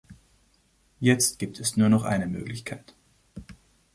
Jetzt gibt es nur noch eine Möglichkeit.